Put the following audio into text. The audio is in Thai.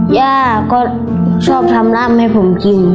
แย่ก็ชอบทำลาดให้ผมกิน